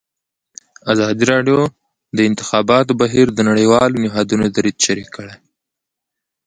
ازادي راډیو د د انتخاباتو بهیر د نړیوالو نهادونو دریځ شریک کړی.